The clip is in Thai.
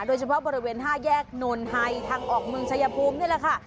โดยเฉพาะบริเวณ๕แยกนนไฮทางออกเมืองชายภูมินี่แหละค่ะ